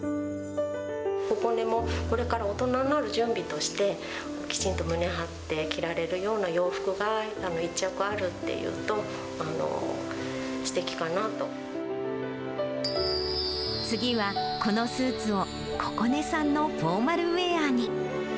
ここねも、これから大人になる準備として、きちんと胸張って着られるような洋服が１着あるっていうと、次は、このスーツを、ここねさんのフォーマルウエアに。